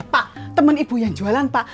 pak teman ibu yang jualan pak